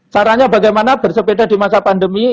caranya bagaimana bersepeda di masa pandemi